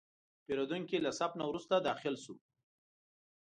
پیرودونکی له صف نه وروسته داخل شو.